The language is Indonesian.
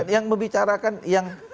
yang membicarakan yang